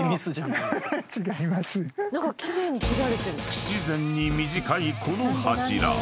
［不自然に短いこの柱］